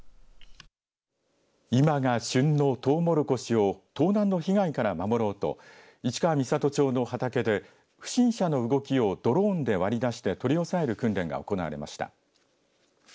今が旬のとうもろこしを盗難の被害から守ろうと市川三郷町の畑で不審者の動きをドローンで割り出して取り押さえる訓練が行われました。